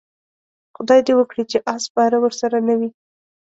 خدای دې وکړي چې اس سپاره ورسره نه وي.